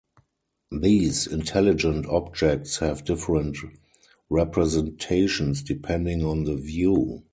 These intelligent objects have different representations depending on the view.